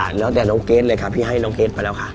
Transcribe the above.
แล้วแต่น้องเกรทเลยค่ะพี่ให้น้องเกรทมาแล้วค่ะ